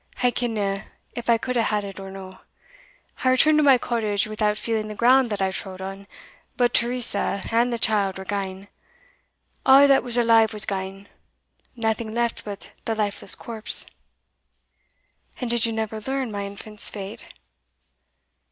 "I kenna if I could hae had it or no. I returned to my cottage without feeling the ground that I trode on; but Teresa and the child were gane a' that was alive was gane naething left but the lifeless corpse." "And did you never learn my infant's fate?"